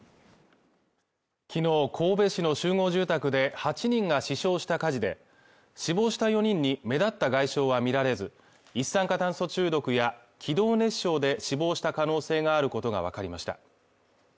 昨日神戸市の集合住宅で８人が死傷した火事で死亡した４人に目立った外傷は見られず一酸化炭素中毒や気道熱傷で死亡した可能性があることが分かりました